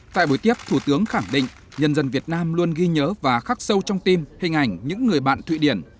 tại buổi tiếp thủ tướng khẳng định nhân dân việt nam luôn ghi nhớ và khắc sâu trong tim hình ảnh những người bạn thụy điển